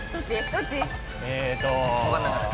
どっち？